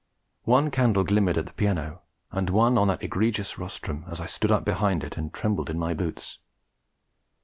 One candle glimmered at the piano, and one on that egregious rostrum, as I stood up behind it and trembled in my boots.